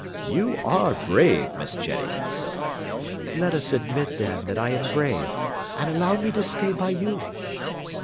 "You are brave, Miss Jenny." "Let us admit, then, that I am brave, and allow me to stay by you."